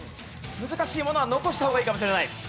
難しいものは残した方がいいかもしれない。